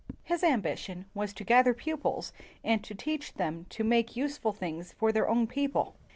His ambition was to gather pupils and to teach them to make useful things for their own people.